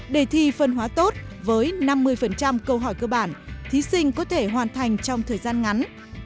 đề thi phân hóa tốt với năm mươi câu hỏi cơ bản thí sinh có thể hoàn thành trong thời gian ngắn